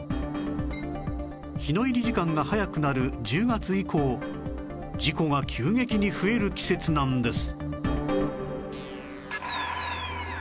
日の入り時間が早くなる１０月以降事故が急激に増える季節なんです